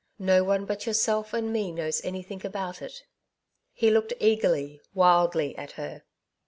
No one but yourself and me knows anything about it." He looked eagerly, wildly at her.